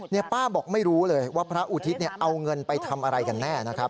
ป้าบอกไม่รู้เลยว่าพระอุทิศเอาเงินไปทำอะไรกันแน่นะครับ